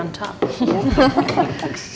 uh ini terlihat bagus